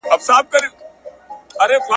بهرني پورونه څنګه اخیستل کیږي؟